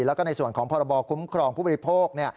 แล้วก็ในส่วนของพรบคุ้มครองผู้บริโภค